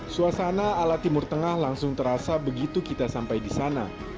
suasana ala timur tengah langsung terasa begitu kita sampai di sana